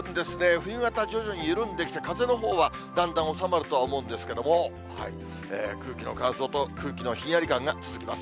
冬型、徐々に緩んできて、風のほうはだんだん収まるとは思うんですけれども、空気の乾燥と空気のひんやり感が続きます。